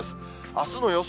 あすの予想